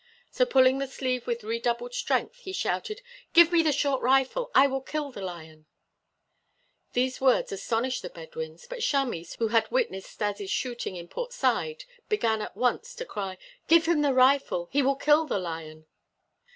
So pulling the sleeve with redoubled strength he shouted: "Give me the short rifle! I will kill the lion!" These words astonished the Bedouins, but Chamis, who had witnessed Stas' shooting in Port Said, began at once to cry: "Give him the rifle! He will kill the lion."